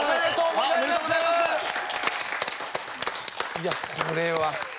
いやこれは。